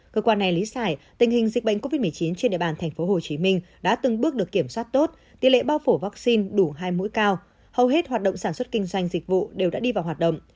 cơ quan này lý giải tình hình dịch bệnh covid một mươi chín trên địa bàn tp hcm đã từng bước được kiểm soát tốt tỷ lệ bao phủ vaccine đủ hai mũi cao hầu hết hoạt động sản xuất kinh doanh dịch vụ đều đã đi vào hoạt động